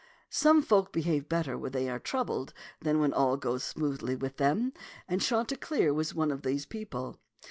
Some folk behave better when they are in trouble than when all goes smoothly with them, and Chanti cleer was one of these people.